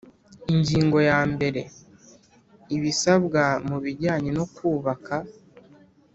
Ingingo yambere Ibisabwa mu bijyanye no kubaka